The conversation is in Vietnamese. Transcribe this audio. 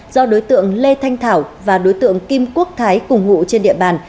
do đối tượng lê thanh thảo và đối tượng kim quốc thái cùng ngụ trên địa bàn